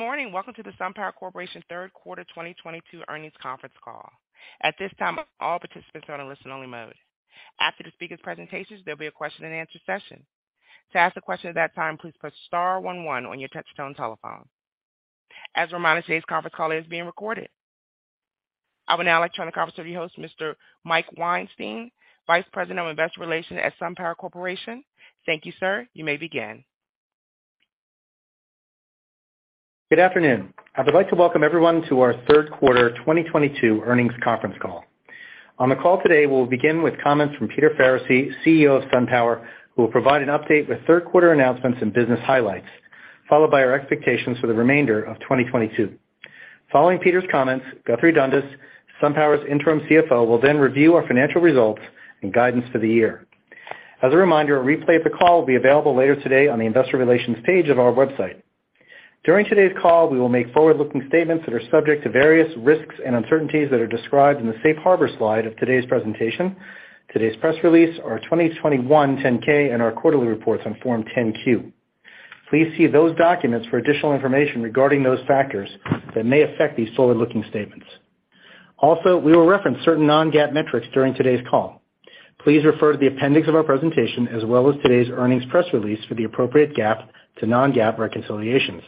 Good morning. Welcome to the SunPower Corporation third quarter 2022 earnings conference call. At this time, all participants are on a listen-only mode. After the speaker's presentations, there'll be a question-and-answer session. To ask a question at that time, please press star one one on your touchtone telephone. As a reminder, today's conference call is being recorded. I would now like to turn the conference to your host, Mr. Mike Weinstein, Vice President of Investor Relations at SunPower Corporation. Thank you, sir. You may begin. Good afternoon. I would like to welcome everyone to our third quarter 2022 earnings conference call. On the call today, we'll begin with comments from Peter Faricy, CEO of SunPower, who will provide an update with third quarter announcements and business highlights, followed by our expectations for the remainder of 2022. Following Peter's comments, Guthrie Dundas, SunPower's Interim CFO, will then review our financial results and guidance for the year. As a reminder, a replay of the call will be available later today on the investor relations page of our website. During today's call, we will make forward-looking statements that are subject to various risks and uncertainties that are described in the Safe Harbor slide of today's presentation, today's press release, our 2021 10-K and our quarterly reports on Form 10-Q. Please see those documents for additional information regarding those factors that may affect these forward-looking statements. Also, we will reference certain non-GAAP metrics during today's call. Please refer to the appendix of our presentation as well as today's earnings press release for the appropriate GAAP to non-GAAP reconciliations.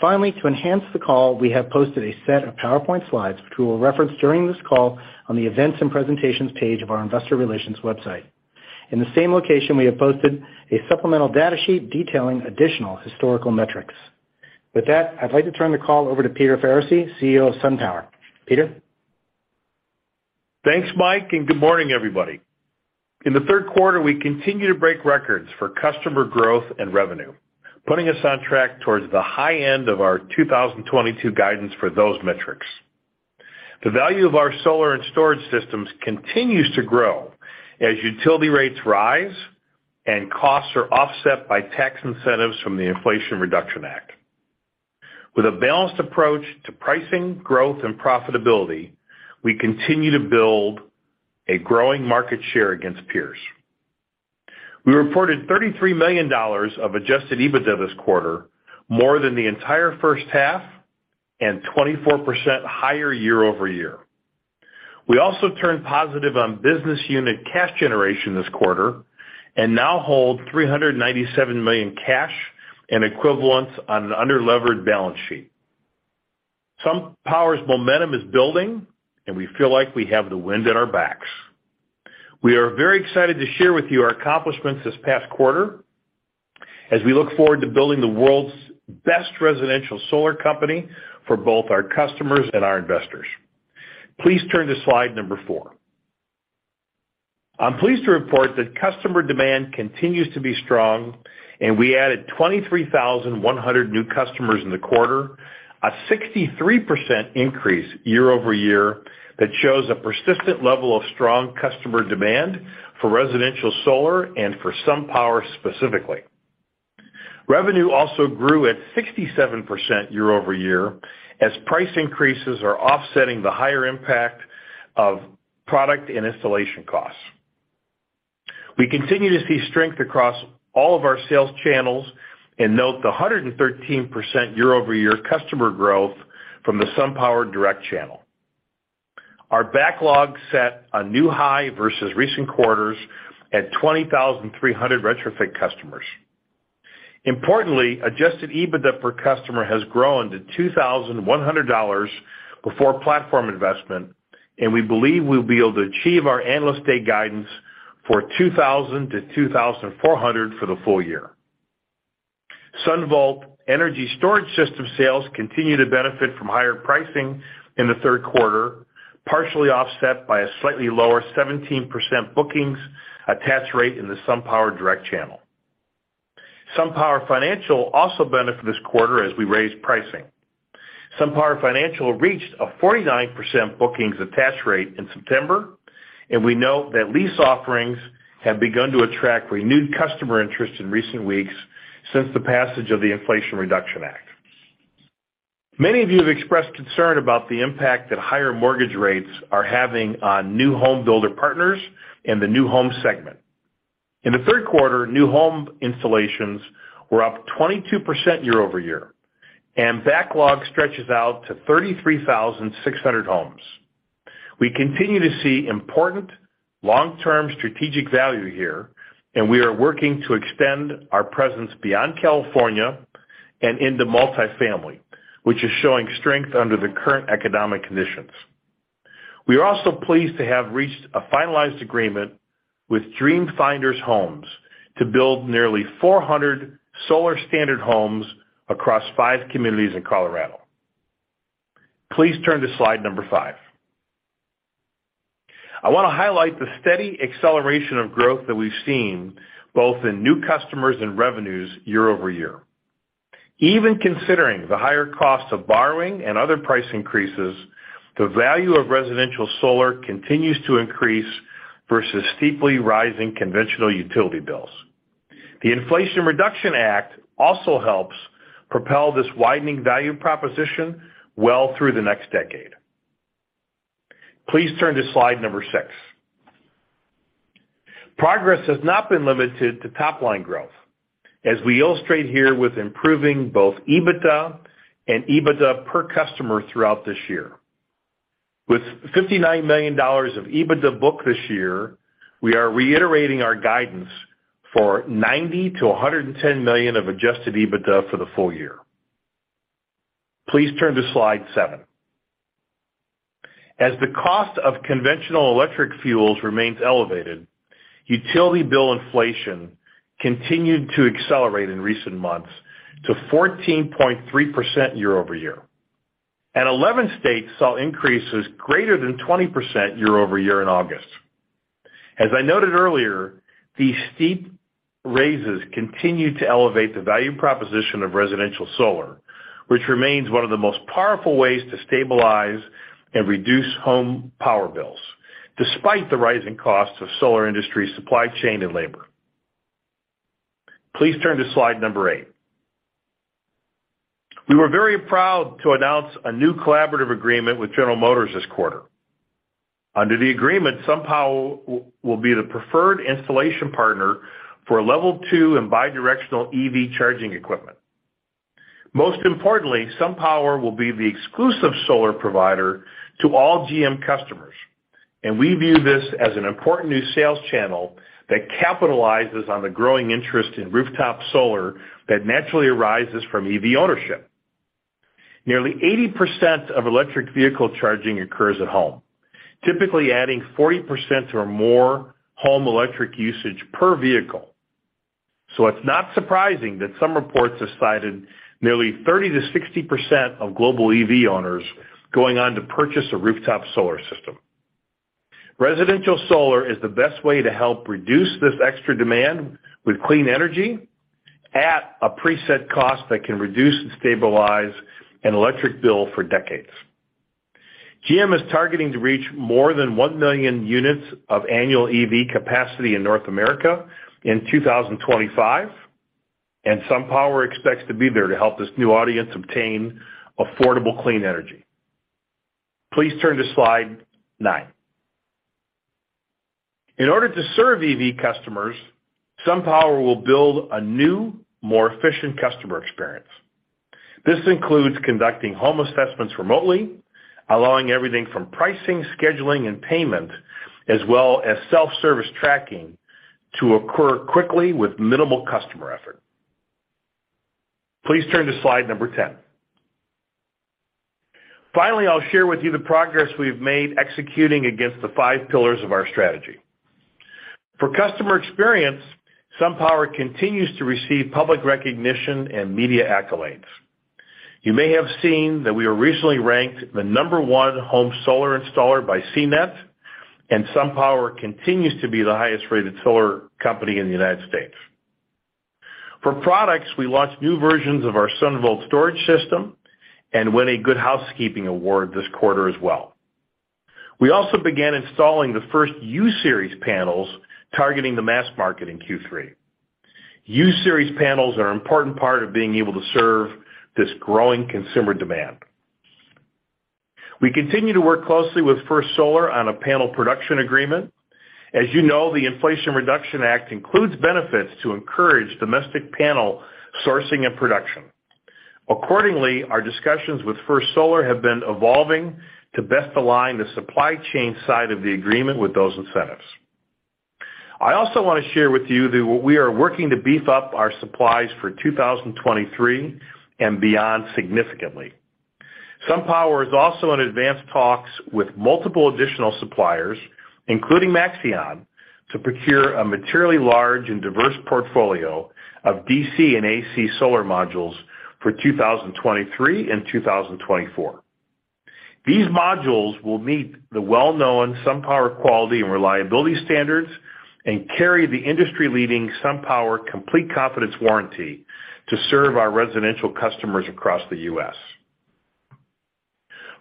Finally, to enhance the call, we have posted a set of PowerPoint slides, which we will reference during this call on the Events and Presentations page of our investor relations website. In the same location, we have posted a supplemental datasheet detailing additional historical metrics. With that, I'd like to turn the call over to Peter Faricy, CEO of SunPower. Peter. Thanks, Mike, and good morning, everybody. In the third quarter, we continue to break records for customer growth and revenue, putting us on track towards the high end of our 2022 guidance for those metrics. The value of our solar and storage systems continues to grow as utility rates rise and costs are offset by tax incentives from the Inflation Reduction Act. With a balanced approach to pricing, growth and profitability, we continue to build a growing market share against peers. We reported $33 million of adjusted EBITDA this quarter, more than the entire first half and 24% higher year-over-year. We also turned positive on business unit cash generation this quarter, and now hold $397 million cash and equivalents on an under-levered balance sheet. SunPower's momentum is building, and we feel like we have the wind at our backs. We are very excited to share with you our accomplishments this past quarter as we look forward to building the world's best residential solar company for both our customers and our investors. Please turn to slide number four. I'm pleased to report that customer demand continues to be strong, and we added 23,100 new customers in the quarter, a 63% increase year over year that shows a persistent level of strong customer demand for residential solar and for SunPower specifically. Revenue also grew at 67% year over year as price increases are offsetting the higher impact of product and installation costs. We continue to see strength across all of our sales channels and note the 113% year over year customer growth from the SunPower direct channel. Our backlog set a new high versus recent quarters at 20,300 retrofit customers. Importantly, Adjusted EBITDA per customer has grown to $2,100 before platform investment, and we believe we'll be able to achieve our Analyst Day guidance for $2,000-$2,400 for the full year. SunVault energy storage system sales continue to benefit from higher pricing in the third quarter, partially offset by a slightly lower 17% bookings attach rate in the SunPower direct channel. SunPower Financial also benefited this quarter as we raised pricing. SunPower Financial reached a 49% bookings attach rate in September, and we note that lease offerings have begun to attract renewed customer interest in recent weeks since the passage of the Inflation Reduction Act. Many of you have expressed concern about the impact that higher mortgage rates are having on new home builder partners in the new home segment. In the third quarter, new home installations were up 22% year-over-year, and backlog stretches out to 33,600 homes. We continue to see important long-term strategic value here, and we are working to extend our presence beyond California and into multifamily, which is showing strength under the current economic conditions. We are also pleased to have reached a finalized agreement with Dream Finders Homes to build nearly 400 solar standard homes across five communities in Colorado. Please turn to slide number 5. I wanna highlight the steady acceleration of growth that we've seen both in new customers and revenues year-over-year. Even considering the higher cost of borrowing and other price increases, the value of residential solar continues to increase versus steeply rising conventional utility bills. The Inflation Reduction Act also helps propel this widening value proposition well through the next decade. Please turn to slide 6. Progress has not been limited to top-line growth, as we illustrate here with improving both EBITDA and EBITDA per customer throughout this year. With $59 million of EBITDA booked this year, we are reiterating our guidance for $90-$110 million of adjusted EBITDA for the full year. Please turn to slide 7. As the cost of conventional electric fuels remains elevated, utility bill inflation continued to accelerate in recent months to 14.3% year-over-year. Eleven states saw increases greater than 20% year-over-year in August. As I noted earlier, these steep raises continue to elevate the value proposition of residential solar, which remains one of the most powerful ways to stabilize and reduce home power bills despite the rising costs of solar industry supply chain and labor. Please turn to slide 8. We were very proud to announce a new collaborative agreement with General Motors this quarter. Under the agreement, SunPower will be the preferred installation partner for Level 2 and bidirectional EV charging equipment. Most importantly, SunPower will be the exclusive solar provider to all GM customers, and we view this as an important new sales channel that capitalizes on the growing interest in rooftop solar that naturally arises from EV ownership. Nearly 80% of electric vehicle charging occurs at home, typically adding 40% or more home electric usage per vehicle. It's not surprising that some reports have cited nearly 30%-60% of global EV owners going on to purchase a rooftop solar system. Residential solar is the best way to help reduce this extra demand with clean energy at a preset cost that can reduce and stabilize an electric bill for decades. GM is targeting to reach more than 1 million units of annual EV capacity in North America in 2025, and SunPower expects to be there to help this new audience obtain affordable clean energy. Please turn to slide 9. In order to serve EV customers, SunPower will build a new, more efficient customer experience. This includes conducting home assessments remotely, allowing everything from pricing, scheduling, and payment, as well as self-service tracking to occur quickly with minimal customer effort. Please turn to slide number 10. Finally, I'll share with you the progress we've made executing against the five pillars of our strategy. For customer experience, SunPower continues to receive public recognition and media accolades. You may have seen that we were recently ranked the number 1 home solar installer by CNET, and SunPower continues to be the highest-rated solar company in the United States. For products, we launched new versions of our SunVault storage system and won a Good Housekeeping award this quarter as well. We also began installing the first U-Series panels targeting the mass market in Q3. U-Series panels are an important part of being able to serve this growing consumer demand. We continue to work closely with First Solar on a panel production agreement. As you know, the Inflation Reduction Act includes benefits to encourage domestic panel sourcing and production. Accordingly, our discussions with First Solar have been evolving to best align the supply chain side of the agreement with those incentives. I also want to share with you that we are working to beef up our supplies for 2023 and beyond significantly. SunPower is also in advanced talks with multiple additional suppliers, including Maxeon, to procure a materially large and diverse portfolio of DC and AC solar modules for 2023 and 2024. These modules will meet the well-known SunPower quality and reliability standards and carry the industry-leading SunPower Complete Confidence Warranty to serve our residential customers across the U.S.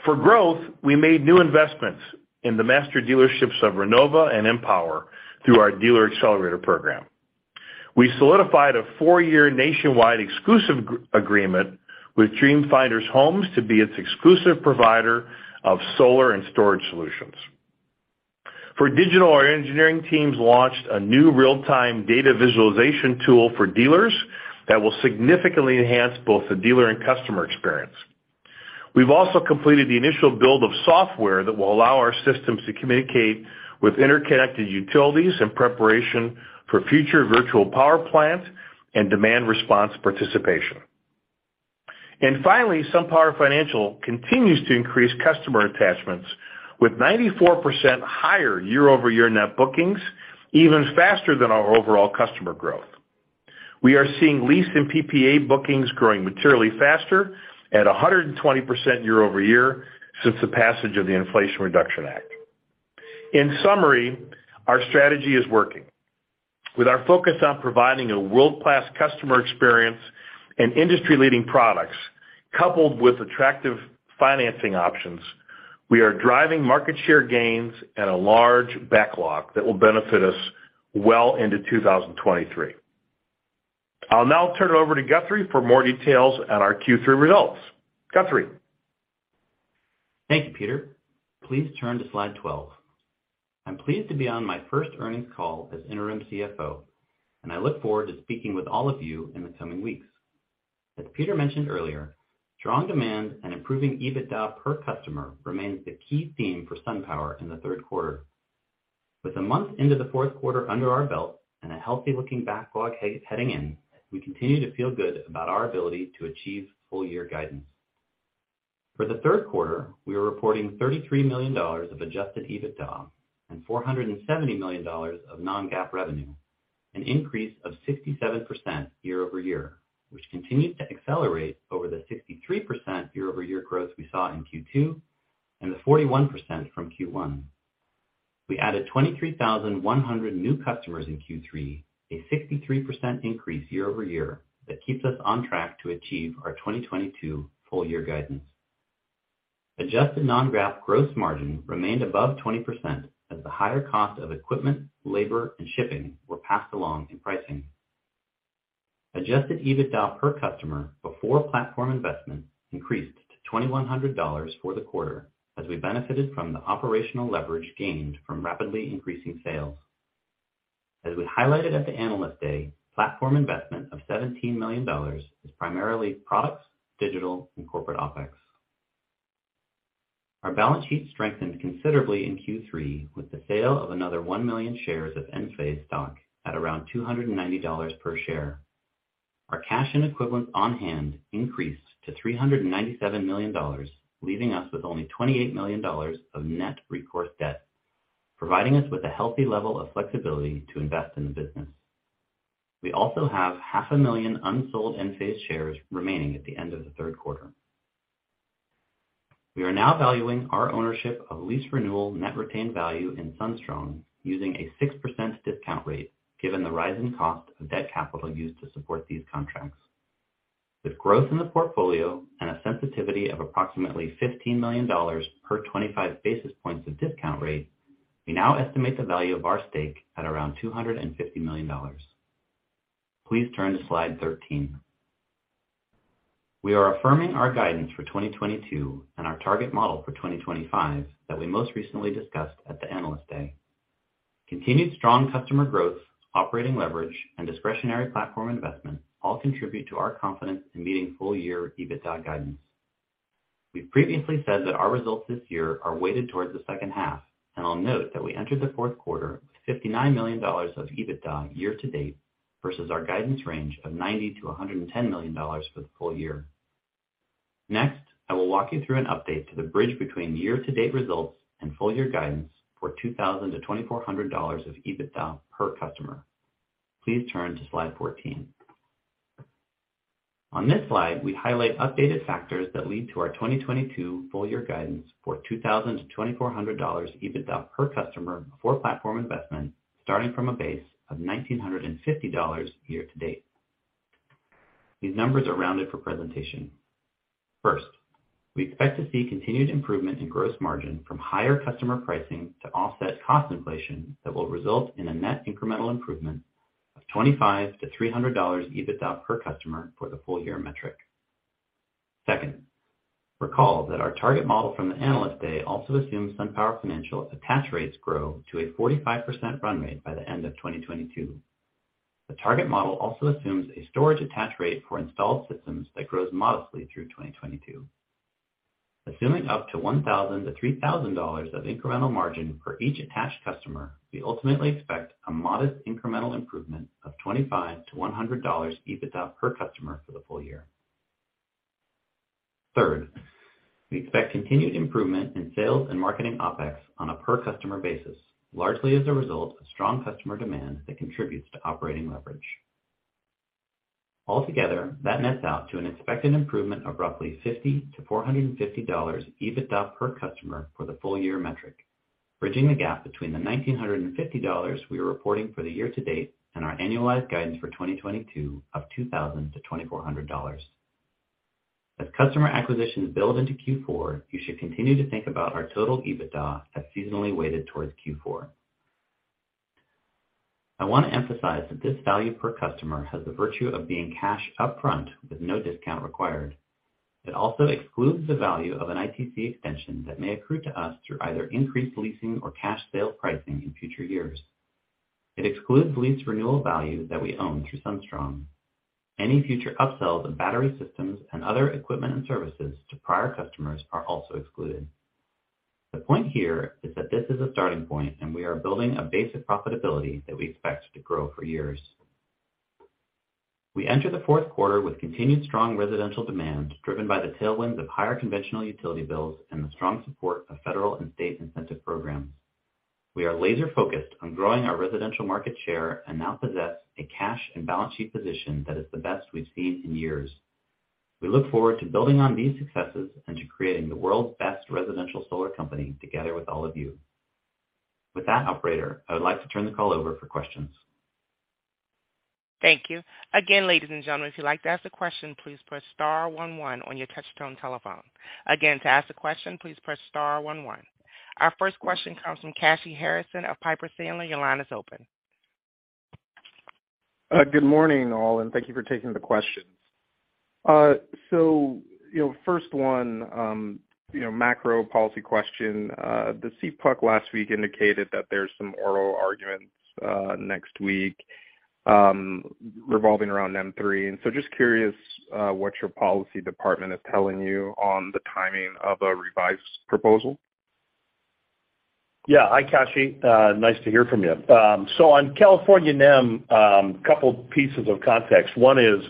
For growth, we made new investments in the master dealerships of Renova and EmPower through our Dealer Accelerator Program. We solidified a four-year nationwide exclusive agreement with Dream Finders Homes to be its exclusive provider of solar and storage solutions. For digital, our engineering teams launched a new real-time data visualization tool for dealers that will significantly enhance both the dealer and customer experience. We've also completed the initial build of software that will allow our systems to communicate with interconnected utilities in preparation for future virtual power plant and demand response participation. Finally, SunPower Financial continues to increase customer attachments with 94% higher year-over-year net bookings even faster than our overall customer growth. We are seeing lease and PPA bookings growing materially faster at a 120% year-over-year since the passage of the Inflation Reduction Act. In summary, our strategy is working. With our focus on providing a world-class customer experience and industry-leading products coupled with attractive financing options, we are driving market share gains and a large backlog that will benefit us well into 2023. I'll now turn it over to Guthrie for more details on our Q3 results. Guthrie? Thank you, Peter. Please turn to slide 12. I'm pleased to be on my first earnings call as interim CFO, and I look forward to speaking with all of you in the coming weeks. As Peter mentioned earlier, strong demand and improving Adjusted EBITDA per customer remains the key theme for SunPower in the third quarter. With a month into the fourth quarter under our belt and a healthy looking backlog heading in, we continue to feel good about our ability to achieve full year guidance. For the third quarter, we are reporting $33 million of adjusted EBITDA and $470 million of non-GAAP revenue, an increase of 67% year-over-year, which continued to accelerate over the 63% year-over-year growth we saw in Q2 and the 41% from Q1. We added 23,100 new customers in Q3, a 63% increase year-over-year that keeps us on track to achieve our 2022 full year guidance. Adjusted non-GAAP gross margin remained above 20% as the higher cost of equipment, labor, and shipping were passed along in pricing. Adjusted EBITDA per customer before platform investment increased to $2,100 for the quarter as we benefited from the operational leverage gained from rapidly increasing sales. As we highlighted at the Analyst Day, platform investment of $17 million is primarily products, digital, and corporate OpEx. Our balance sheet strengthened considerably in Q3 with the sale of another 1 million shares of Enphase stock at around $290 per share. Our cash and equivalents on hand increased to $397 million, leaving us with only $28 million of net recourse debt, providing us with a healthy level of flexibility to invest in the business. We also have 500,000 unsold Enphase shares remaining at the end of the third quarter. We are now valuing our ownership of lease renewal net retained value in SunStrong using a 6% discount rate given the rising cost of debt capital used to support these contracts. With growth in the portfolio and a sensitivity of approximately $15 million per 25 basis points of discount rate, we now estimate the value of our stake at around $250 million. Please turn to slide 13. We are affirming our guidance for 2022 and our target model for 2025 that we most recently discussed at the Analyst Day. Continued strong customer growth, operating leverage and discretionary platform investment all contribute to our confidence in meeting full-year EBITDA guidance. We've previously said that our results this year are weighted towards the second half, and I'll note that we entered the fourth quarter with $59 million of EBITDA year-to-date versus our guidance range of $90-$110 million for the full year. Next, I will walk you through an update to the bridge between year-to-date results and full-year guidance for $2,000-$2,400 of EBITDA per customer. Please turn to slide 14. On this slide, we highlight updated factors that lead to our 2022 full year guidance for $2,000-$2,400 EBITDA per customer for platform investment starting from a base of $1,950 year to date. These numbers are rounded for presentation. First, we expect to see continued improvement in gross margin from higher customer pricing to offset cost inflation that will result in a net incremental improvement of $25-$300 EBITDA per customer for the full year metric. Second, recall that our target model from the Analyst Day also assumes SunPower Financial attach rates grow to a 45% run rate by the end of 2022. The target model also assumes a storage attach rate for installed systems that grows modestly through 2022. Assuming up to $1,000-$3,000 of incremental margin for each attached customer, we ultimately expect a modest incremental improvement of $25-$100 EBITDA per customer for the full year. Third, we expect continued improvement in sales and marketing OpEx on a per customer basis, largely as a result of strong customer demand that contributes to operating leverage. Altogether, that nets out to an expected improvement of roughly $50-$450 EBITDA per customer for the full year metric, bridging the gap between the $1,950 we are reporting for the year to date and our annualized guidance for 2022 of $2,000-$2,400. As customer acquisitions build into Q4, you should continue to think about our total EBITDA as seasonally weighted towards Q4. I want to emphasize that this value per customer has the virtue of being cash upfront with no discount required. It also excludes the value of an ITC extension that may accrue to us through either increased leasing or cash sales pricing in future years. It excludes lease renewal value that we own through SunStrong. Any future upsells of battery systems and other equipment and services to prior customers are also excluded. The point here is that this is a starting point, and we are building a basic profitability that we expect to grow for years. We enter the fourth quarter with continued strong residential demand, driven by the tailwinds of higher conventional utility bills and the strong support of federal and state incentive programs. We are laser focused on growing our residential market share and now possess a cash and balance sheet position that is the best we've seen in years. We look forward to building on these successes and to creating the world's best residential solar company together with all of you. With that, operator, I would like to turn the call over for questions. Thank you. Again, ladies and gentlemen, if you'd like to ask a question, please press star one one on your touchtone telephone. Again, to ask a question, please press star one one. Our first question comes from Kashy Harrison of Piper Sandler. Your line is open. Good morning, all, and thank you for taking the questions. You know, first one, you know, macro policy question. The CPUC last week indicated that there's some oral arguments next week revolving around NEM3. Just curious what your policy department is telling you on the timing of a revised proposal. Yeah. Hi, Kashi. Nice to hear from you. On California NEM, couple pieces of context. One is,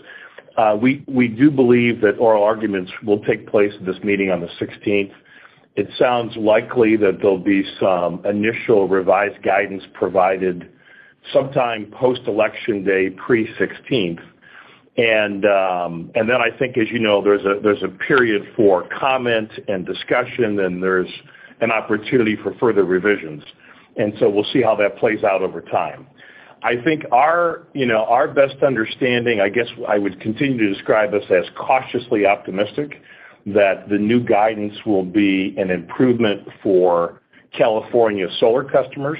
we do believe that oral arguments will take place at this meeting on the sixteenth. It sounds likely that there'll be some initial revised guidance provided sometime post-election day, pre-sixteenth. Then I think as you know, there's a period for comment and discussion, then there's an opportunity for further revisions. We'll see how that plays out over time. I think, you know, our best understanding, I guess, I would continue to describe this as cautiously optimistic, that the new guidance will be an improvement for California solar customers,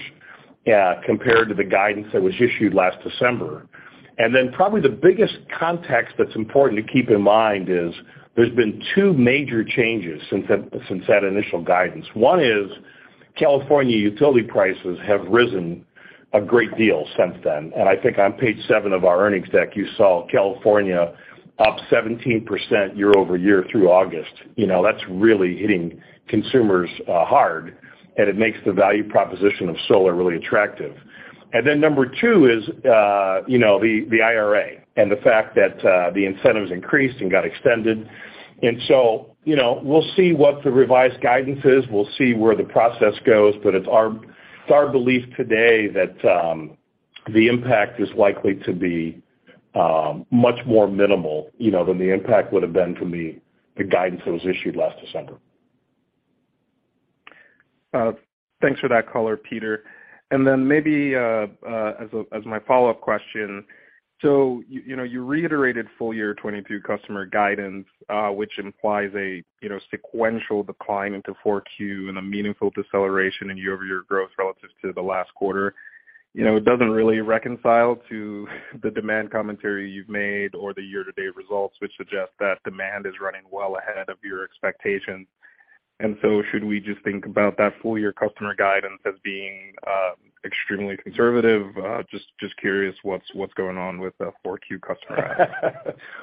compared to the guidance that was issued last December. Probably the biggest context that's important to keep in mind is there's been 2 major changes since that initial guidance. One is California utility prices have risen a great deal since then. I think on page 7 of our earnings deck, you saw California up 17% year-over-year through August. You know, that's really hitting consumers hard, and it makes the value proposition of solar really attractive. Number 2 is, you know, the IRA and the fact that the incentives increased and got extended. You know, we'll see what the revised guidance is. We'll see where the process goes. It's our belief today that the impact is likely to be much more minimal, you know, than the impact would have been from the guidance that was issued last December. Thanks for that color, Peter. Then maybe as my follow-up question. You know, you reiterated full year 2022 customer guidance, which implies a you know, sequential decline into 4Q and a meaningful deceleration in year-over-year growth relative to the last quarter. You know, it doesn't really reconcile to the demand commentary you've made or the year-to-date results, which suggest that demand is running well ahead of your expectations. Should we just think about that full year customer guidance as being extremely conservative? Just curious what's going on with the 4Q customer.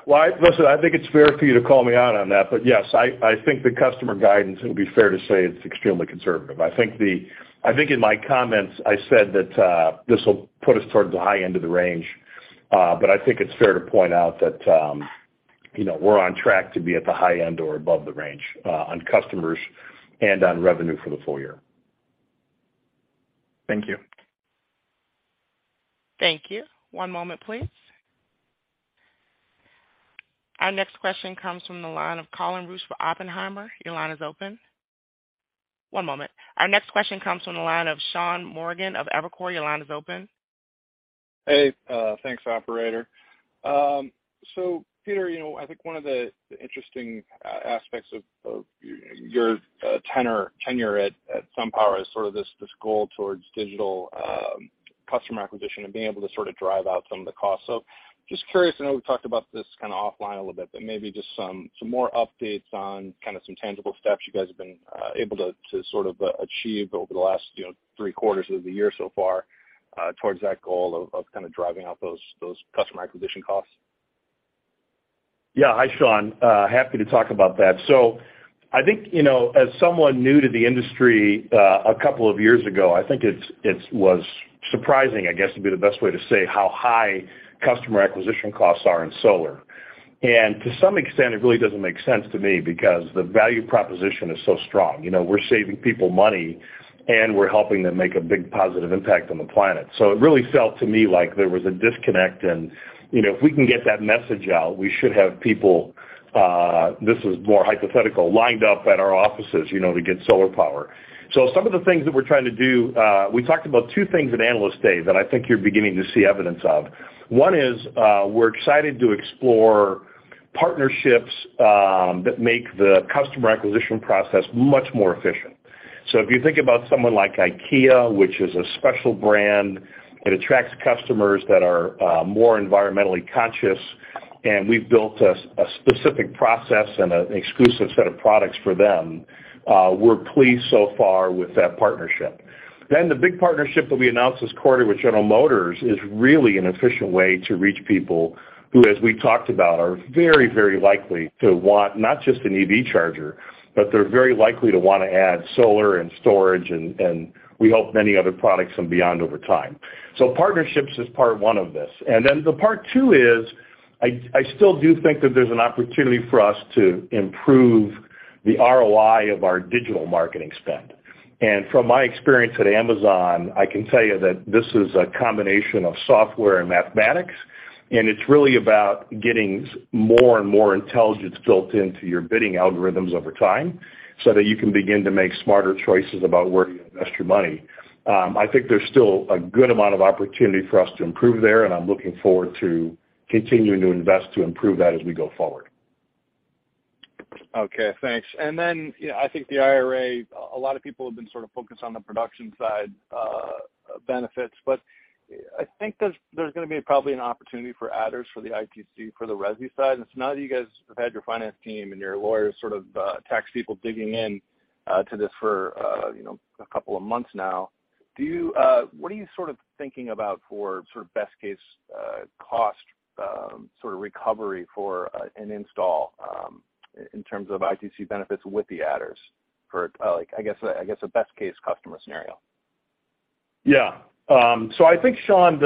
Well, listen, I think it's fair for you to call me out on that. Yes, I think the customer guidance, it would be fair to say it's extremely conservative. I think in my comments, I said that, this will put us towards the high end of the range. I think it's fair to point out that, you know, we're on track to be at the high end or above the range, on customers and on revenue for the full year. Thank you. Thank you. One moment, please. Our next question comes from the line of Colin Rusch for Oppenheimer. Your line is open. One moment. Our next question comes from the line of Sean Morgan of Evercore. Your line is open. Hey, thanks, operator. Peter, you know, I think one of the interesting aspects of your tenure at SunPower is sort of this goal towards digital customer acquisition and being able to sort of drive out some of the costs. Just curious, I know we've talked about this kind of offline a little bit, but maybe just some more updates on kind of some tangible steps you guys have been able to sort of achieve over the last, you know, three quarters of the year so far, towards that goal of kind of driving out those customer acquisition costs. Yeah. Hi, Sean. Happy to talk about that. I think, you know, as someone new to the industry, a couple of years ago, I think it was surprising, I guess, would be the best way to say how high customer acquisition costs are in solar. If we can get that message out, we should have people, this is more hypothetical, lined up at our offices, you know, to get solar power. Some of the things that we're trying to do, we talked about two things at Analyst Day that I think you're beginning to see evidence of. One is, we're excited to explore partnerships that make the customer acquisition process much more efficient. If you think about someone like IKEA, which is a special brand, it attracts customers that are more environmentally conscious, and we've built a specific process and an exclusive set of products for them. We're pleased so far with that partnership. The big partnership that we announced this quarter with General Motors is really an efficient way to reach people who, as we talked about, are very, very likely to want not just an EV charger, but they're very likely to wanna add solar and storage and we hope many other products from beyond over time. Partnerships is part one of this. The part two is, I still do think that there's an opportunity for us to improve the ROI of our digital marketing spend. From my experience at Amazon, I can tell you that this is a combination of software and mathematics, and it's really about getting more and more intelligence built into your bidding algorithms over time so that you can begin to make smarter choices about where to invest your money. I think there's still a good amount of opportunity for us to improve there, and I'm looking forward to continuing to invest to improve that as we go forward. Okay, thanks. Yeah, I think the IRA, a lot of people have been sort of focused on the production side, benefits. I think there's gonna be probably an opportunity for adders for the ITC for the resi side. Now that you guys have had your finance team and your lawyers sort of, tax people digging in, to this for, you know, a couple of months now, what are you sort of thinking about for sort of best case, cost, sort of recovery for, an install, in terms of ITC benefits with the adders for like, I guess, a best case customer scenario? Yeah. I think, Sean,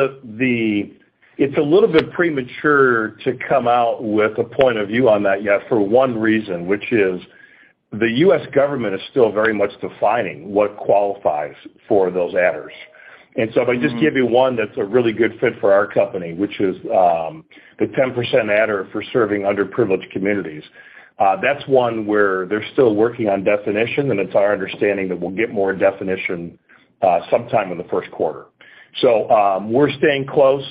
it's a little bit premature to come out with a point of view on that yet for one reason, which is the U.S. government is still very much defining what qualifies for those adders. If I just give you one that's a really good fit for our company, which is the 10% adder for serving underprivileged communities, that's one where they're still working on definition, and it's our understanding that we'll get more definition sometime in the first quarter. We're staying close.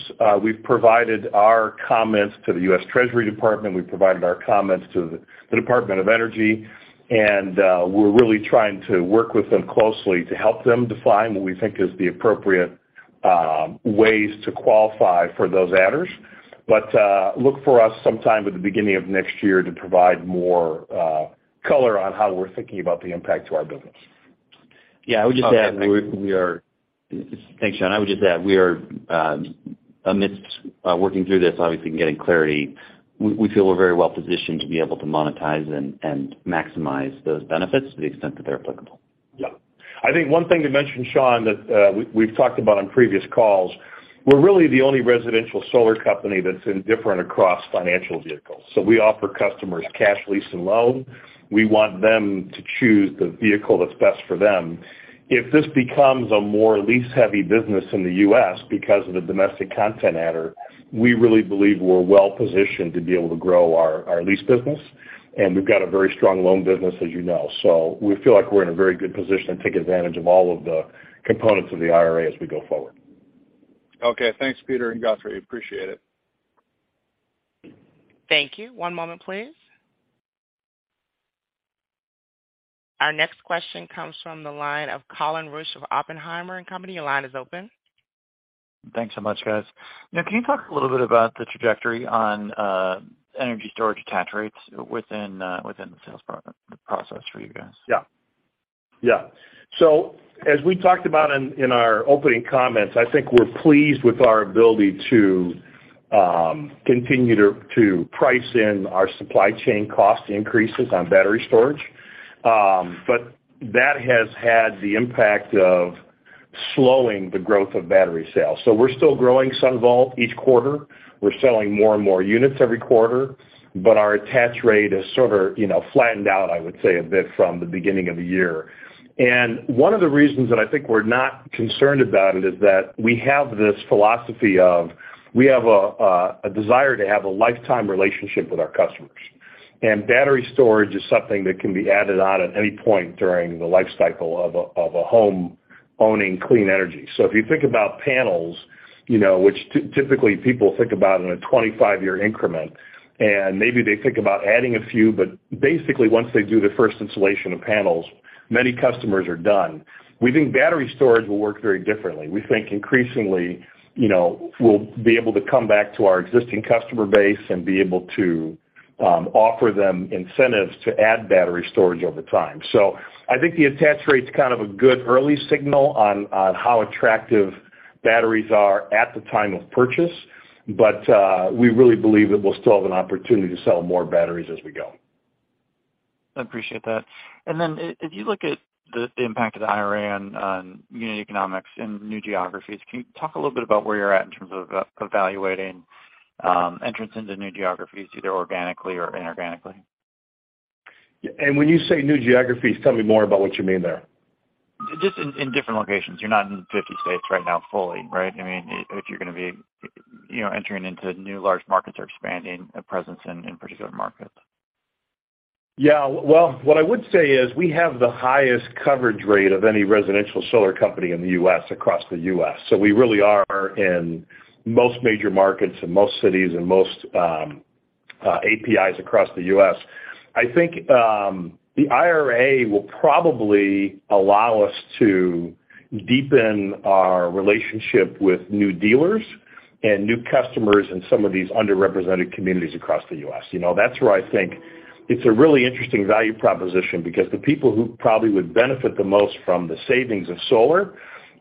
We've provided our comments to the U.S. Treasury Department. We've provided our comments to the Department of Energy, and we're really trying to work with them closely to help them define what we think is the appropriate ways to qualify for those adders. Look for us sometime at the beginning of next year to provide more color on how we're thinking about the impact to our business. Yeah. Thanks, Sean. I would just add we are amidst working through this, obviously, and getting clarity. We feel we're very well positioned to be able to monetize and maximize those benefits to the extent that they're applicable. Yeah. I think one thing to mention, Sean, that we've talked about on previous calls, we're really the only residential solar company that's indifferent across financial vehicles. We offer customers cash, lease, and loan. We want them to choose the vehicle that's best for them. If this becomes a more lease-heavy business in the U.S. because of the domestic content adder, we really believe we're well positioned to be able to grow our lease business, and we've got a very strong loan business, as you know. We feel like we're in a very good position to take advantage of all of the components of the IRA as we go forward. Okay. Thanks, Peter and Guthrie. Appreciate it. Thank you. One moment, please. Our next question comes from the line of Colin Rusch of Oppenheimer & Co. Inc. Your line is open. Thanks so much, guys. Now, can you talk a little bit about the trajectory on energy storage attach rates within the sales process for you guys? Yeah. As we talked about in our opening comments, I think we're pleased with our ability to continue to price in our supply chain cost increases on battery storage. That has had the impact of slowing the growth of battery sales. We're still growing SunVault each quarter. We're selling more and more units every quarter, but our attach rate has sort of, you know, flattened out, I would say, a bit from the beginning of the year. One of the reasons that I think we're not concerned about it is that we have this philosophy of. We have a desire to have a lifetime relationship with our customers. Battery storage is something that can be added on at any point during the life cycle of a home owning clean energy. If you think about panels, you know, which typically people think about in a 25-year increment, and maybe they think about adding a few. Basically, once they do the first installation of panels, many customers are done. We think battery storage will work very differently. We think increasingly, you know, we'll be able to come back to our existing customer base and be able to offer them incentives to add battery storage over time. I think the attach rate's kind of a good early signal on how attractive batteries are at the time of purchase, but we really believe that we'll still have an opportunity to sell more batteries as we go. I appreciate that. If you look at the impact of the IRA on unit economics in new geographies, can you talk a little bit about where you're at in terms of evaluating entrance into new geographies, either organically or inorganically? Yeah. When you say new geographies, tell me more about what you mean there? Just in different locations. You're not in 50 states right now fully, right? I mean, if you're gonna be, you know, entering into new large markets or expanding a presence in particular markets. Yeah. Well, what I would say is we have the highest coverage rate of any residential solar company in the U.S., across the U.S. So we really are in most major markets, in most cities, in most zip codes across the U.S. I think the IRA will probably allow us to deepen our relationship with new dealers and new customers in some of these underrepresented communities across the U.S. You know, that's where I think it's a really interesting value proposition because the people who probably would benefit the most from the savings of solar are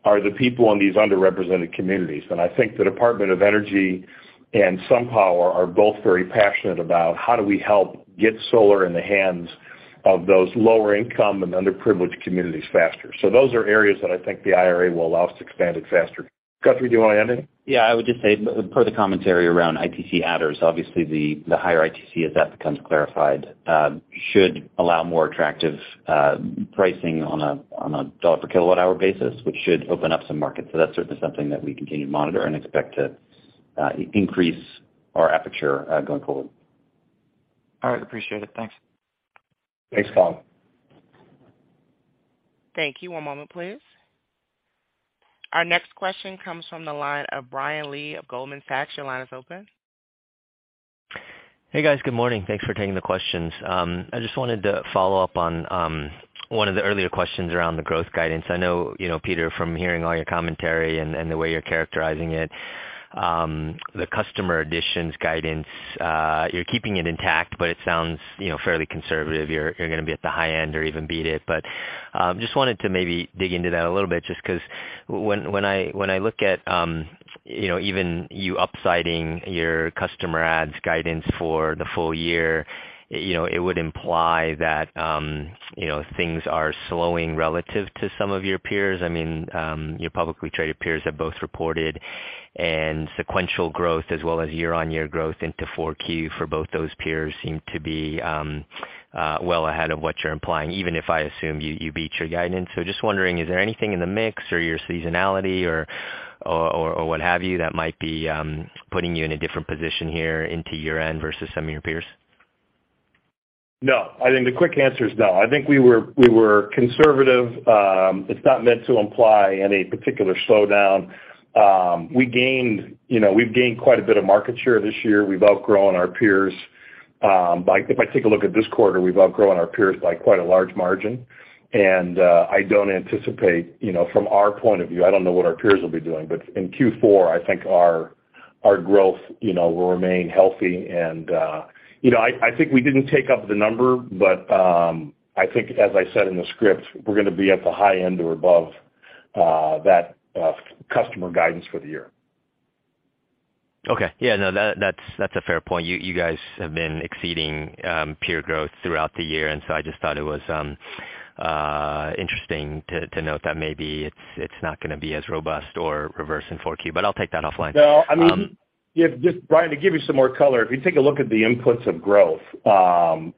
the people in these underrepresented communities. I think the Department of Energy and SunPower are both very passionate about how do we help get solar in the hands of those lower income and underprivileged communities faster. Those are areas that I think the IRA will allow us to expand it faster. Guthrie, do you wanna add anything? Yeah. I would just say per the commentary around ITC adders, obviously the higher ITC, as that becomes clarified, should allow more attractive pricing on a dollar per kilowatt-hour basis, which should open up some markets. That's certainly something that we continue to monitor and expect to increase our aperture going forward. All right. Appreciate it. Thanks. Thanks, Colin. Thank you. One moment, please. Our next question comes from the line of Brian Lee of Goldman Sachs. Your line is open. Hey, guys. Good morning. Thanks for taking the questions. I just wanted to follow up on one of the earlier questions around the growth guidance. I know, you know, Peter, from hearing all your commentary and the way you're characterizing it, the customer additions guidance, you're keeping it intact, but it sounds, you know, fairly conservative. You're gonna be at the high end or even beat it. But just wanted to maybe dig into that a little bit just 'cause when I look at, you know, even you upsiding your customer adds guidance for the full year, you know, it would imply that, you know, things are slowing relative to some of your peers. I mean, your publicly traded peers have both reported and sequential growth as well as year-on-year growth into Q4 for both those peers seem to be well ahead of what you're implying, even if I assume you beat your guidance. Just wondering, is there anything in the mix or your seasonality or what have you, that might be putting you in a different position here into year-end versus some of your peers? No, I think the quick answer is no. I think we were conservative. It's not meant to imply any particular slowdown. We gained, you know, we've gained quite a bit of market share this year. We've outgrown our peers. Like, if I take a look at this quarter, we've outgrown our peers by quite a large margin. I don't anticipate, you know, from our point of view, I don't know what our peers will be doing, but in Q4, I think our growth, you know, will remain healthy. You know, I think we didn't take up the number, but I think as I said in the script, we're gonna be at the high end or above that customer guidance for the year. Okay. Yeah, no, that's a fair point. You guys have been exceeding peer growth throughout the year, and so I just thought it was interesting to note that maybe it's not gonna be as robust or reverse in 4Q, but I'll take that offline. No, I mean. Um- Yeah, just Brian, to give you some more color, if you take a look at the inputs of growth,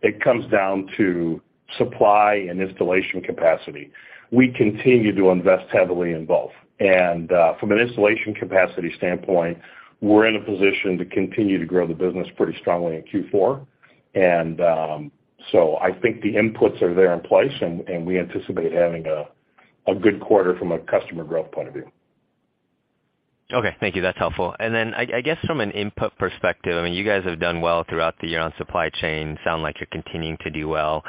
it comes down to supply and installation capacity. We continue to invest heavily in both. From an installation capacity standpoint, we're in a position to continue to grow the business pretty strongly in Q4. I think the inputs are there in place, and we anticipate having a good quarter from a customer growth point of view. Okay. Thank you. That's helpful. I guess from an input perspective, I mean, you guys have done well throughout the year on supply chain. Sounds like you're continuing to do well.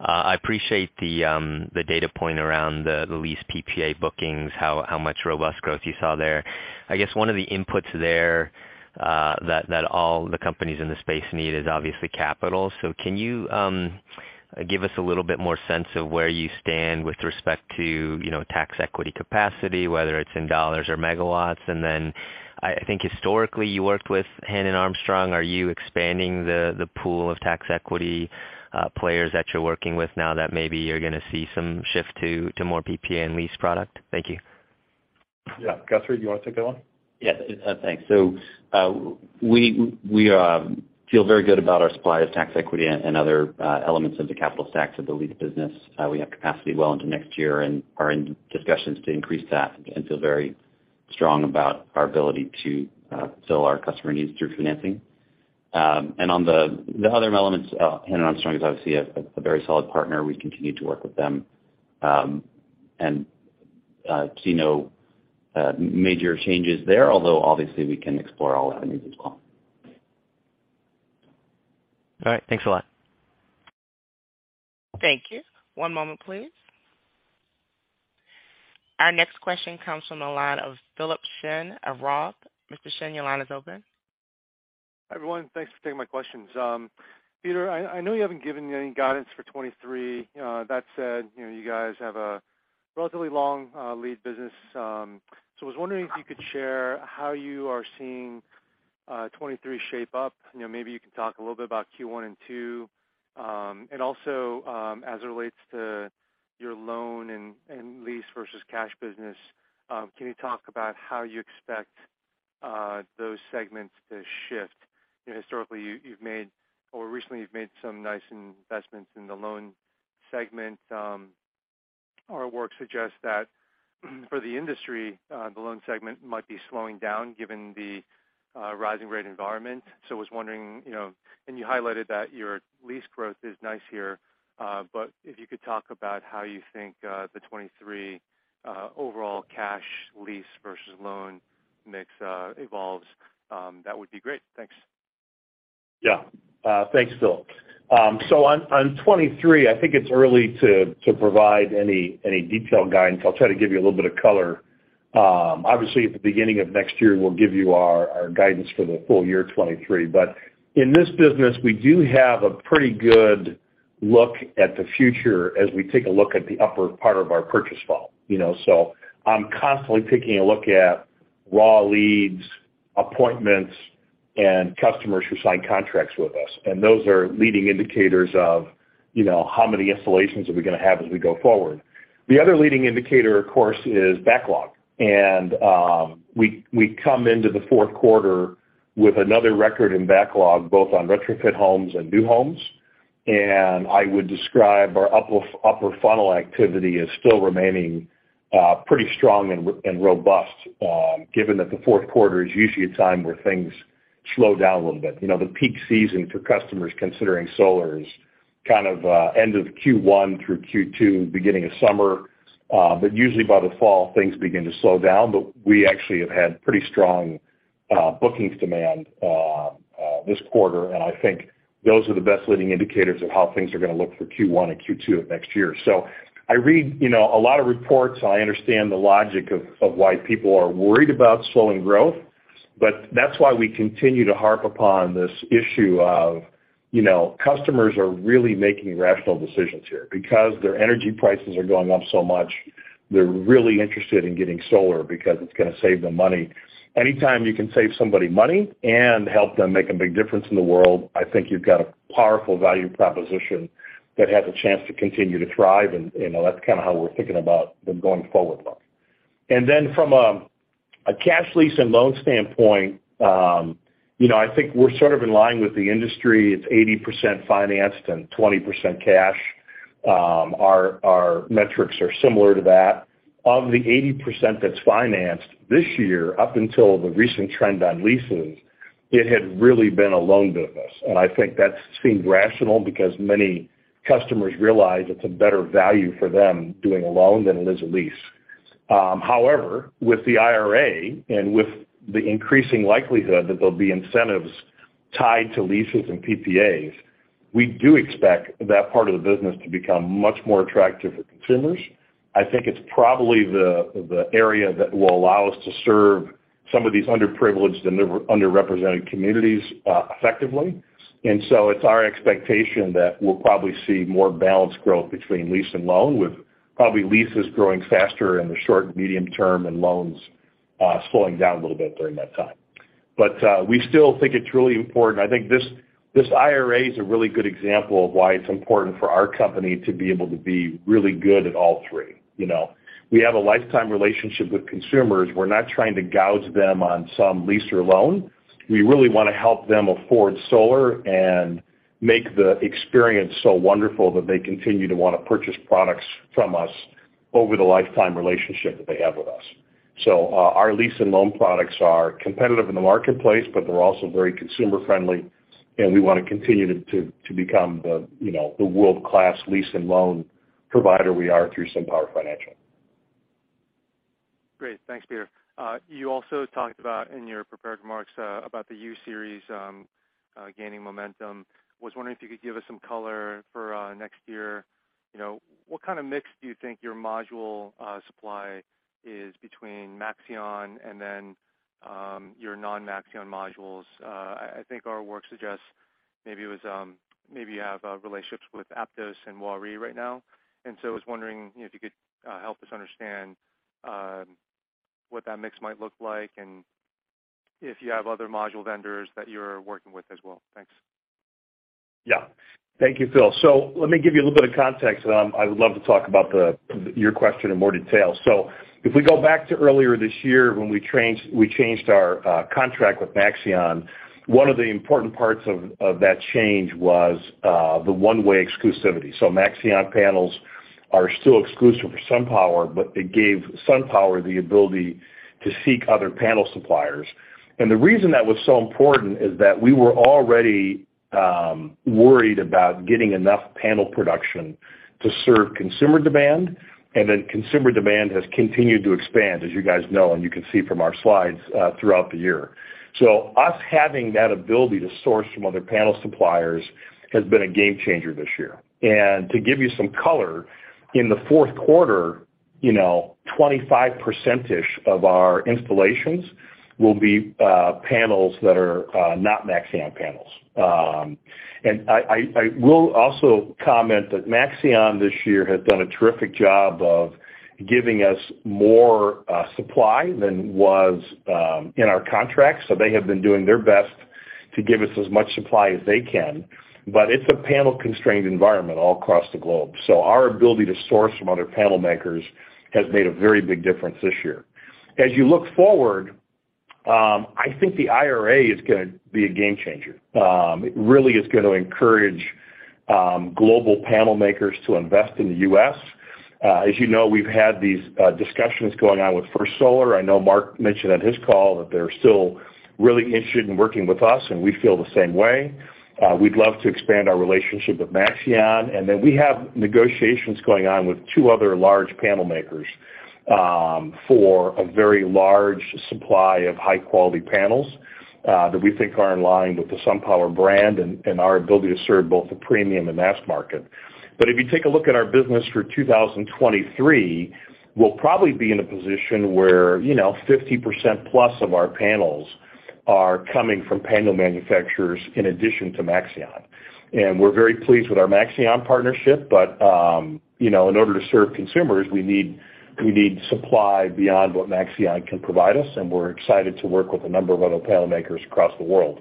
I appreciate the data point around the leased PPA bookings, how much robust growth you saw there. I guess one of the inputs there that all the companies in the space need is obviously capital. Can you give us a little bit more sense of where you stand with respect to tax equity capacity, whether it's in dollars or megawatts? I think historically you worked with Hannon Armstrong. Are you expanding the pool of tax equity players that you're working with now that maybe you're gonna see some shift to more PPA and lease product? Thank you. Yeah. Guthrie, do you wanna take that one? Yes. Thanks. We feel very good about our supply of tax equity and other elements of the capital stack to the lease business. We have capacity well into next year and are in discussions to increase that and feel very strong about our ability to fill our customer needs through financing. On the other elements, Hannon Armstrong is obviously a very solid partner. We continue to work with them and see no major changes there, although obviously we can explore all avenues as well. All right. Thanks a lot. Thank you. One moment please. Our next question comes from the line of Philip Shen of Roth. Mr. Shen, your line is open. Hi, everyone. Thanks for taking my questions. Peter, I know you haven't given any guidance for 2023. That said, you know, you guys have a relatively long lead business. So I was wondering if you could share how you are seeing 2023 shape up. You know, maybe you can talk a little bit about Q1 and Q2. And also, as it relates to your loan and lease versus cash business, can you talk about how you expect those segments to shift? You know, historically, you've made or recently you've made some nice investments in the loan segment. Our work suggests that for the industry, the loan segment might be slowing down given the rising rate environment. I was wondering, you know, and you highlighted that your lease growth is nice here, but if you could talk about how you think the 2023 overall cash lease versus loan mix evolves, that would be great. Thanks. Yeah. Thanks, Philip. So on 2023, I think it's early to provide any detailed guidance. I'll try to give you a little bit of color. Obviously, at the beginning of next year, we'll give you our guidance for the full year 2023. In this business, we do have a pretty good look at the future as we take a look at the upper part of our purchase funnel. You know, so I'm constantly taking a look at raw leads, appointments, and customers who sign contracts with us, and those are leading indicators of, you know, how many installations are we gonna have as we go forward. The other leading indicator, of course, is backlog. We come into the fourth quarter with another record in backlog, both on retrofit homes and new homes. I would describe our upper funnel activity as still remaining pretty strong and robust, given that the fourth quarter is usually a time where things slow down a little bit. You know, the peak season for customers considering solar is kind of end of Q1 through Q2, beginning of summer. But usually by the fall, things begin to slow down. We actually have had pretty strong bookings demand this quarter, and I think those are the best leading indicators of how things are gonna look for Q1 and Q2 of next year. I read, you know, a lot of reports. I understand the logic of why people are worried about slowing growth, but that's why we continue to harp upon this issue of, you know, customers are really making rational decisions here. Because their energy prices are going up so much, they're really interested in getting solar because it's gonna save them money. Anytime you can save somebody money and help them make a big difference in the world, I think you've got a powerful value proposition that has a chance to continue to thrive and, you know, that's kinda how we're thinking about them going forward. From a cash lease and loan standpoint, you know, I think we're sort of in line with the industry. It's 80% financed and 20% cash. Our metrics are similar to that. Of the 80% that's financed this year, up until the recent trend on leases, it had really been a loan business. I think that seemed rational because many customers realize it's a better value for them doing a loan than it is a lease. However, with the IRA and with the increasing likelihood that there'll be incentives tied to leases and PPAs, we do expect that part of the business to become much more attractive for consumers. I think it's probably the area that will allow us to serve some of these underprivileged and the underrepresented communities effectively. It's our expectation that we'll probably see more balanced growth between lease and loan, with probably leases growing faster in the short and medium term and loans slowing down a little bit during that time. We still think it's really important. I think this IRA is a really good example of why it's important for our company to be able to be really good at all three, you know. We have a lifetime relationship with consumers. We're not trying to gouge them on some lease or loan. We really wanna help them afford solar and make the experience so wonderful that they continue to wanna purchase products from us over the lifetime relationship that they have with us. Our lease and loan products are competitive in the marketplace, but they're also very consumer-friendly, and we wanna continue to become the, you know, the world-class lease and loan provider we are through SunPower Financial. Great. Thanks, Peter. You also talked about, in your prepared remarks, about the U-Series gaining momentum. Was wondering if you could give us some color for next year. You know, what kind of mix do you think your module supply is between Maxeon and then your non-Maxeon modules? I think our work suggests maybe you have relationships with Aptos and Waaree right now. I was wondering if you could help us understand what that mix might look like and if you have other module vendors that you're working with as well. Thanks. Yeah. Thank you, Phil. Let me give you a little bit of context. I would love to talk about your question in more detail. If we go back to earlier this year when we changed our contract with Maxeon, one of the important parts of that change was the one-way exclusivity. Maxeon panels are still exclusive for SunPower, but it gave SunPower the ability to seek other panel suppliers. The reason that was so important is that we were already worried about getting enough panel production to serve consumer demand, and then consumer demand has continued to expand, as you guys know, and you can see from our slides throughout the year. Us having that ability to source from other panel suppliers has been a game changer this year. To give you some color, in the fourth quarter, you know, 25%ish of our installations will be panels that are not Maxeon panels. I will also comment that Maxeon this year has done a terrific job of giving us more supply than was in our contract. So they have been doing their best to give us as much supply as they can. But it's a panel-constrained environment all across the globe. So our ability to source from other panel makers has made a very big difference this year. As you look forward, I think the IRA is gonna be a game changer. It really is gonna encourage global panel makers to invest in the U.S. As you know, we've had these discussions going on with First Solar. I know Mark mentioned on his call that they're still really interested in working with us, and we feel the same way. We'd love to expand our relationship with Maxeon. We have negotiations going on with two other large panel makers for a very large supply of high-quality panels that we think are in line with the SunPower brand and our ability to serve both the premium and mass market. If you take a look at our business for 2023, we'll probably be in a position where, you know, 50% plus of our panels are coming from panel manufacturers in addition to Maxeon. We're very pleased with our Maxeon partnership, but, you know, in order to serve consumers, we need supply beyond what Maxeon can provide us, and we're excited to work with a number of other panel makers across the world.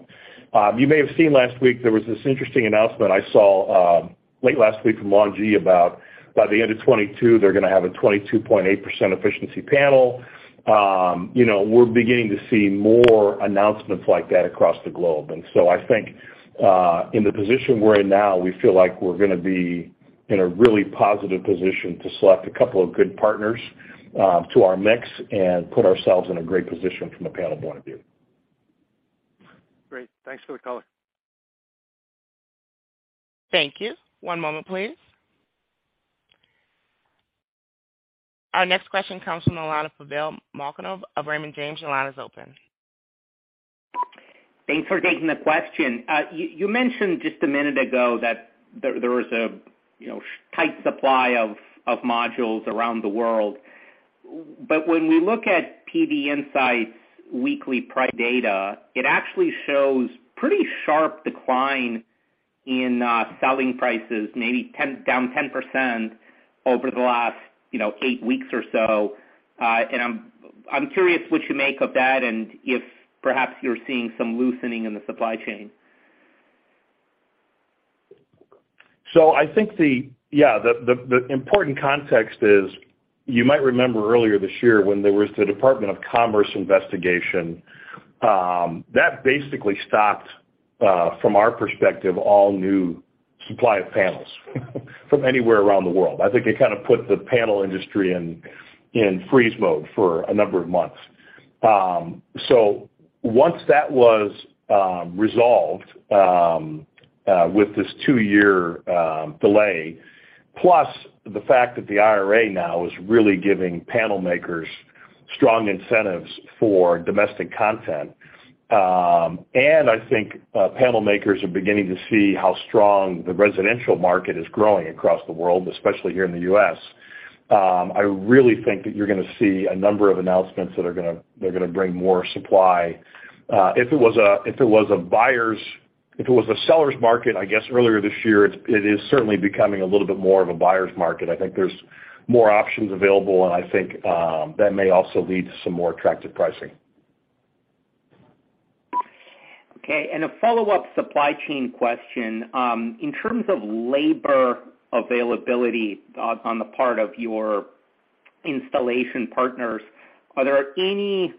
You may have seen last week there was this interesting announcement I saw, late last week from LONGi about by the end of 2022, they're gonna have a 22.8 efficiency panel. You know, we're beginning to see more announcements like that across the globe. I think, in the position we're in now, we feel like we're gonna be in a really positive position to select a couple of good partners, to our mix and put ourselves in a great position from a panel point of view. Great. Thanks for the color. Thank you. One moment, please. Our next question comes from the line of Pavel Molchanov of Raymond James. Your line is open. Thanks for taking the question. You mentioned just a minute ago that there was a you know tight supply of modules around the world. When we look at PVinsights weekly price data, it actually shows pretty sharp decline in selling prices, down 10% over the last 8 weeks or so. I'm curious what you make of that and if perhaps you're seeing some loosening in the supply chain. I think the important context is you might remember earlier this year when there was the Department of Commerce investigation that basically stopped from our perspective all new supply of panels from anywhere around the world. I think it kinda put the panel industry in freeze mode for a number of months. Once that was resolved with this two-year delay, plus the fact that the IRA now is really giving panel makers strong incentives for domestic content, and I think panel makers are beginning to see how strong the residential market is growing across the world, especially here in the U.S., I really think that you're gonna see a number of announcements that they're gonna bring more supply. If it was a seller's market, I guess earlier this year, it is certainly becoming a little bit more of a buyer's market. I think there's more options available, and I think that may also lead to some more attractive pricing. Okay. A follow-up supply chain question. In terms of labor availability on the part of your installation partners, are there any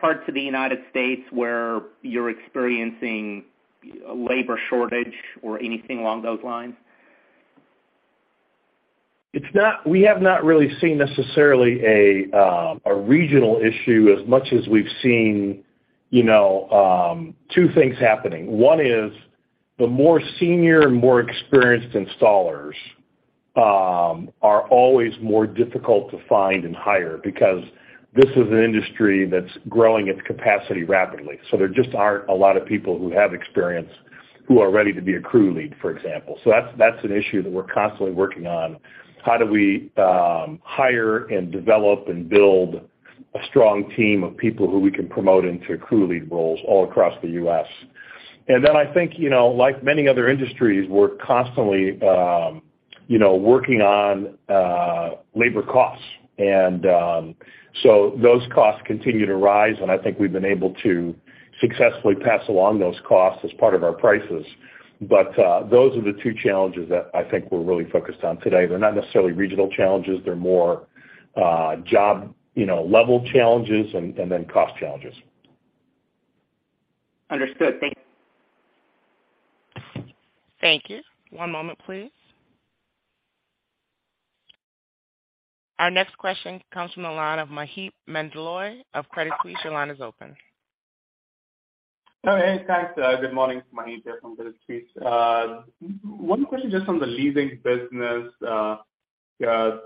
parts of the United States where you're experiencing labor shortage or anything along those lines? We have not really seen necessarily a regional issue as much as we've seen, you know, two things happening. One is the more senior and more experienced installers are always more difficult to find and hire because this is an industry that's growing its capacity rapidly. So there just aren't a lot of people who have experience who are ready to be a crew lead, for example. So that's an issue that we're constantly working on. How do we hire and develop and build a strong team of people who we can promote into crew lead roles all across the U.S.? Then I think, you know, like many other industries, we're constantly, you know, working on labor costs. those costs continue to rise, and I think we've been able to successfully pass along those costs as part of our prices. Those are the two challenges that I think we're really focused on today. They're not necessarily regional challenges. They're more job, you know, level challenges and then cost challenges. Understood. Thank you. Thank you. One moment, please. Our next question comes from the line of Maheep Mandloi of Credit Suisse. Your line is open. Oh, hey, thanks. Good morning. It's Maheep here from Credit Suisse. One question just on the leasing business.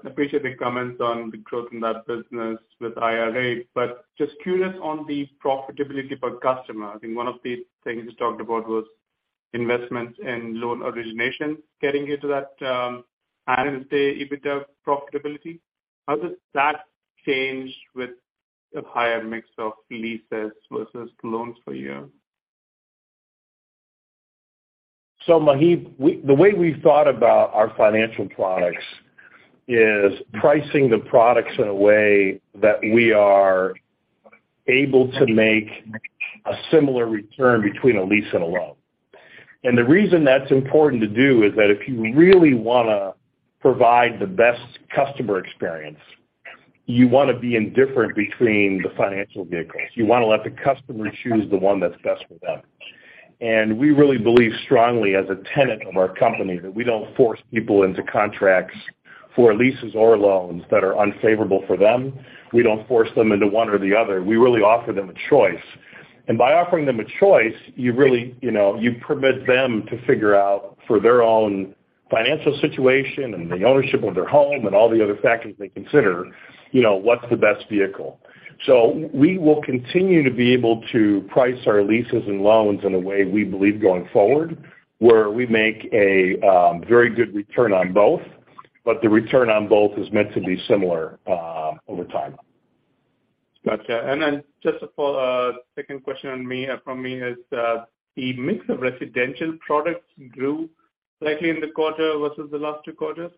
Appreciate the comments on the growth in that business with IRA, but just curious on the profitability per customer. I think one of the things you talked about was investments in loan origination, getting you to that, I would say, EBITDA profitability. How does that change with a higher mix of leases versus loans for you? Maheep, the way we thought about our financial products is pricing the products in a way that we are able to make a similar return between a lease and a loan. The reason that's important to do is that if you really wanna provide the best customer experience, you wanna be indifferent between the financial vehicles. You wanna let the customer choose the one that's best for them. We really believe strongly as a tenet of our company, that we don't force people into contracts for leases or loans that are unfavorable for them. We don't force them into one or the other. We really offer them a choice. By offering them a choice, you really, you know, you permit them to figure out for their own financial situation and the ownership of their home and all the other factors they consider, you know, what's the best vehicle. We will continue to be able to price our leases and loans in a way we believe going forward, where we make a very good return on both, but the return on both is meant to be similar over time. Gotcha. Just a second question from me is, the mix of residential products grew slightly in the quarter versus the last two quarters.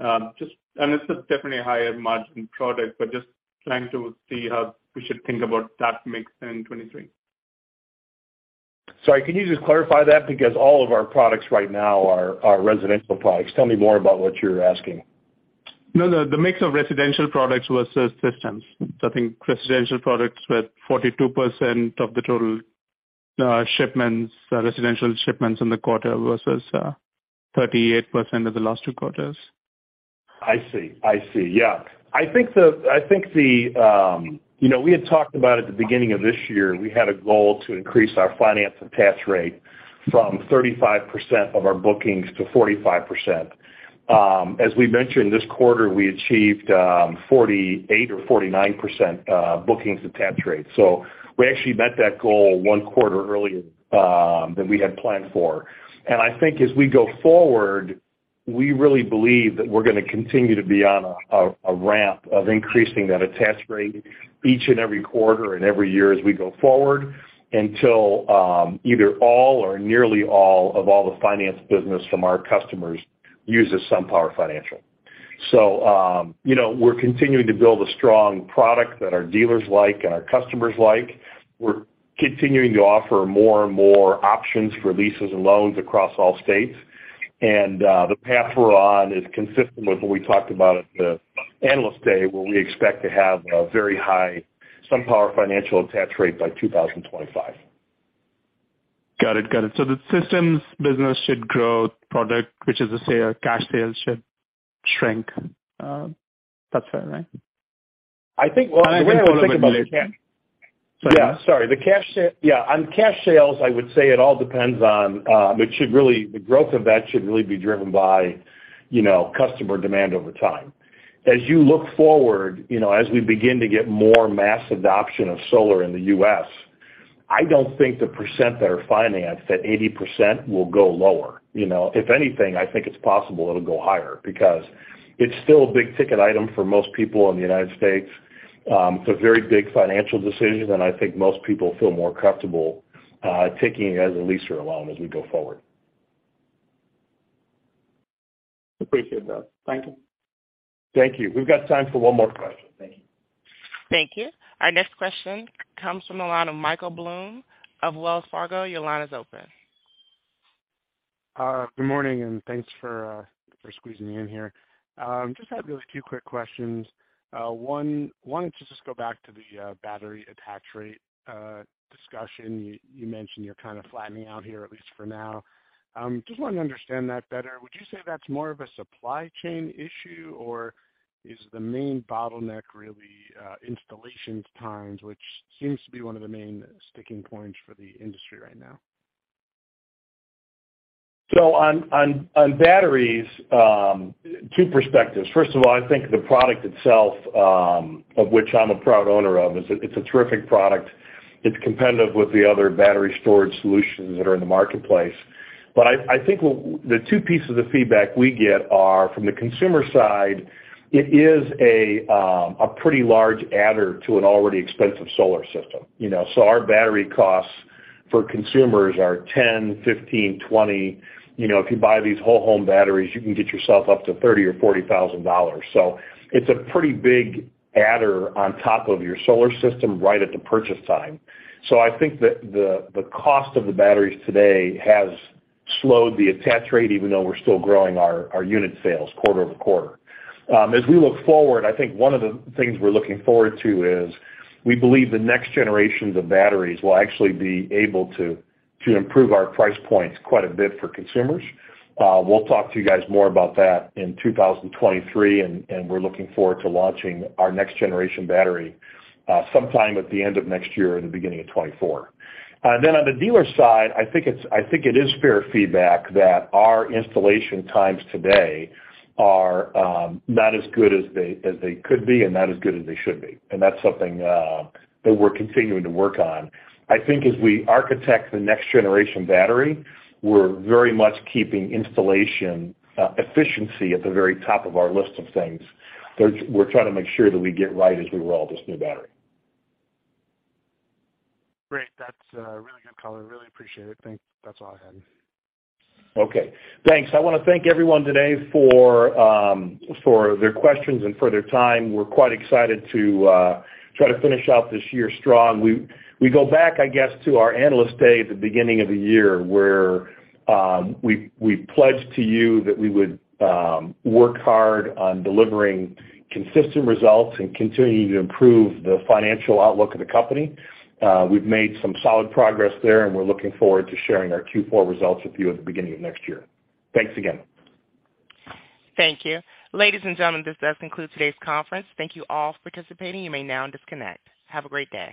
It's a definitely higher margin product, but just trying to see how we should think about that mix in 2023. Sorry, can you just clarify that? Because all of our products right now are residential products. Tell me more about what you're asking. No, no. The mix of residential products was systems. I think residential products were 42% of the total shipments, residential shipments in the quarter versus 38% of the last two quarters. I think the, you know, we had talked about at the beginning of this year, we had a goal to increase our finance attach rate from 35% of our bookings to 45%. As we mentioned this quarter, we achieved 48% or 49% bookings attach rate. We actually met that goal one quarter earlier than we had planned for. I think as we go forward, we really believe that we're gonna continue to be on a ramp of increasing that attach rate each and every quarter and every year as we go forward until either all or nearly all of all the finance business from our customers uses SunPower Financial. You know, we're continuing to build a strong product that our dealers like and our customers like. We're continuing to offer more and more options for leases and loans across all states. The path we're on is consistent with what we talked about at the Analyst Day, where we expect to have a very high SunPower Financial attach rate by 2025. Got it. The systems business should grow product, which is to say our cash sales should shrink. That's fair, right? I think. I think it will relate. Yeah, sorry. On cash sales, I would say it all depends on the growth of that should really be driven by, you know, customer demand over time. As you look forward, you know, as we begin to get more mass adoption of solar in the U.S., I don't think the percent that are financed, that 80% will go lower, you know. If anything, I think it's possible it'll go higher because it's still a big-ticket item for most people in the United States. It's a very big financial decision, and I think most people feel more comfortable taking it as a lease or a loan as we go forward. Appreciate that. Thank you. Thank you. We've got time for one more question. Thank you. Thank you. Our next question comes from the line of Michael Blum of Wells Fargo. Your line is open. Good morning, and thanks for squeezing me in here. Just had really two quick questions. One, why don't you just go back to the battery attach rate discussion. You mentioned you're kinda flattening out here, at least for now. Just wanted to understand that better. Would you say that's more of a supply chain issue, or is the main bottleneck really installations times, which seems to be one of the main sticking points for the industry right now? On batteries, two perspectives. First of all, I think the product itself, of which I'm a proud owner of, it's a terrific product. It's competitive with the other battery storage solutions that are in the marketplace. But I think the two pieces of feedback we get are from the consumer side, it is a pretty large adder to an already expensive solar system. You know? Our battery costs for consumers are $10, $15, $20. You know, if you buy these whole home batteries, you can get yourself up to $30,000-$40,000. It's a pretty big adder on top of your solar system right at the purchase time. I think that the cost of the batteries today has slowed the attach rate, even though we're still growing our unit sales quarter-over-quarter. As we look forward, I think one of the things we're looking forward to is we believe the next generations of batteries will actually be able to improve our price points quite a bit for consumers. We'll talk to you guys more about that in 2023, and we're looking forward to launching our next generation battery sometime at the end of next year or the beginning of 2024. On the dealer side, I think it is fair feedback that our installation times today are not as good as they could be and not as good as they should be. That's something that we're continuing to work on. I think as we architect the next generation battery, we're very much keeping installation efficiency at the very top of our list of things. We're trying to make sure that we get right as we roll this new battery. Great. That's really good color. Really appreciate it. Thanks. That's all I had. Okay. Thanks. I wanna thank everyone today for their questions and for their time. We're quite excited to try to finish out this year strong. We go back, I guess, to our Analyst Day at the beginning of the year, where we pledged to you that we would work hard on delivering consistent results and continuing to improve the financial outlook of the company. We've made some solid progress there, and we're looking forward to sharing our Q4 results with you at the beginning of next year. Thanks again. Thank you. Ladies and gentlemen, this does conclude today's conference. Thank you all for participating. You may now disconnect. Have a great day.